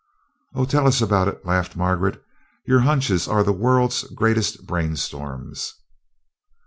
"Oh, tell us about it!" laughed Margaret. "Your hunches are the world's greatest brainstorms!"